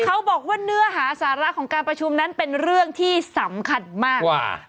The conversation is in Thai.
เขาบอกว่าเนื้อหาสาระของการประชุมนั้นเป็นเรื่องที่สำคัญมากกว่า